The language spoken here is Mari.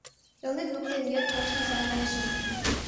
Элнет воктен йыр, коштын савырнышым.